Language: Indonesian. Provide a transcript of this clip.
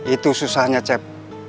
itu susahnya cep